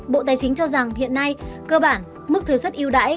bộ tài chính cho rằng hiện nay cơ bản mức thuế xuất yêu đãi